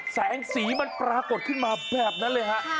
แสงสีมันปรากฏขึ้นมาแบบนั้นเลยฮะ